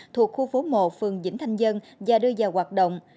thuộc khu phố một phường vĩnh thanh và đưa vào hoạt động